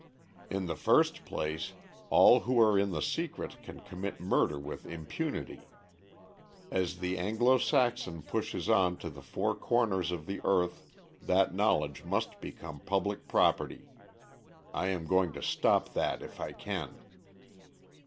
"In the first place, all who are in the secret can commit murder with impunity. As the Anglo Saxon pushes on to the four corners of the earth that knowledge must become public property. I am going to stop that if I can."